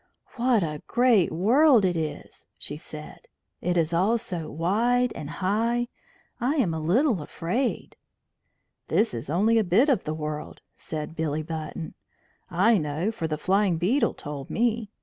"What a great world it is!" she said. "It is all so wide and high. I am a little afraid." "This is only a bit of the world," said Billy Button. "I know, for the Flying Beetle told me.